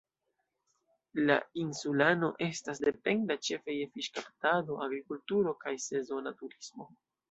La insulanoj estas dependaj ĉefe je fiŝkaptado, agrikulturo kaj sezona turismo.